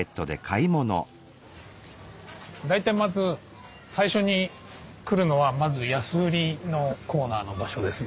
大体まず最初に来るのはまず安売りのコーナーの場所ですね。